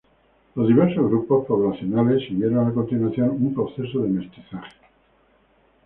Los diversos grupos poblacionales siguieron a continuación un proceso de mestizaje.